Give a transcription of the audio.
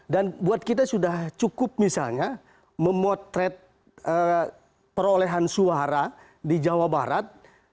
dan buat kita sudah cukup misalnya memotret perolehan suara di jawa barat